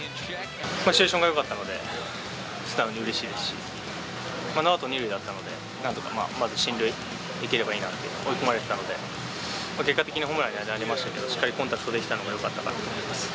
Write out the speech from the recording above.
シチュエーションがよかったので、素直にうれしいですし、ノーアウト２塁だったので、なんとか、まず進塁できればいいなって、追い込まれたので、結果的にホームランになりましたけど、しっかりコンタクトできたのがよかったかなと思います。